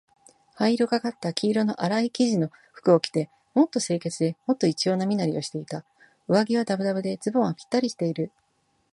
灰色がかった黄色のあらい生地の服を着て、もっと清潔で、もっと一様な身なりをしていた。上衣はだぶだぶで、ズボンはぴったりしている。